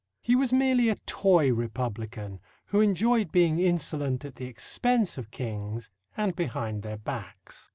He was merely a toy republican who enjoyed being insolent at the expense of kings, and behind their backs.